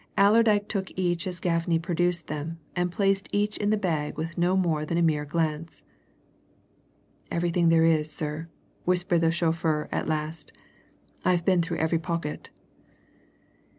Allerdyke took each as Gaffney produced them, and placed each in the bag with no more than a mere glance. "Everything there is, sir," whispered the chauffeur at last. "I've been through every pocket."